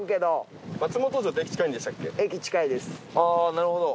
あぁなるほど。